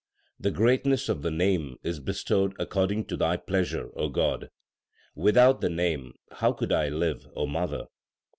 The greatness of the Name is bestowed according to Thy pleasure, God. Without the Name how could I live, O mother